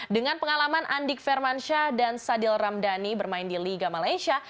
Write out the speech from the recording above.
dengan pengalaman andik firmansyah dan sadil ramdhani bermain di liga malaysia